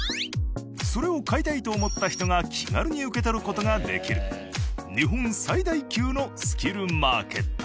それを買いたいと思った人が気軽に受け取る事ができる日本最大級のスキルマーケット。